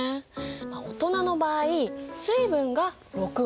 大人の場合水分が６割ぐらい。